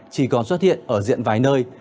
chỉ còn xuất hiện ở diện vài nơi